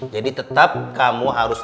jadi tetap kamu harus tetap